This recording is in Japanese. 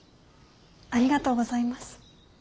ありがとうございます。